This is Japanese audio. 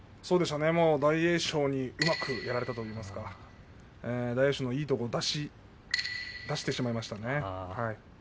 大栄翔にうまくやられたといいますか大栄翔のいいところを出してしまいましたね。